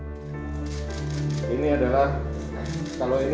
bagian badan buritan hingga badan kapal bertekanan